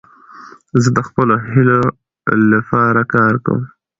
زه د خپلو هیلو له پاره کار کوم.